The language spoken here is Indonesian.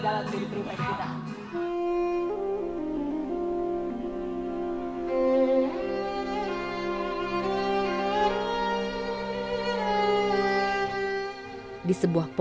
di sebuah pondok ilham iskandar husu membaca buku